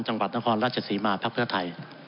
จังหวัดนครราชศรีมาร์ภักดิ์ไทย